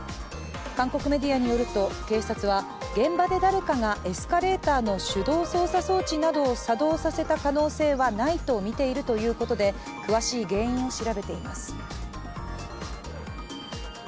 韓国メディアによると警察は現場で誰かがエスカレーターの手動操作装置などを作動させた可能性はないとみているということで詳しい原因を調べています。